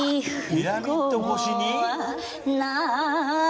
ピラミッド越しに？